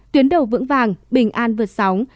tuyến đầu vững vàng bình an vượt sóng